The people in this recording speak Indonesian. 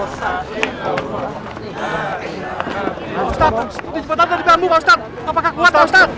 ustaz cepetan dari belamu pak ustaz